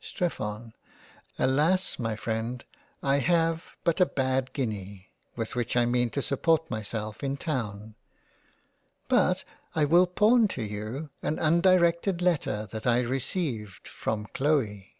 Streph:) Alas, my freind, I have but a bad guinea with which I mean to support myself in Town. But I will pawn to you an undirected Letter that I received from Chloe.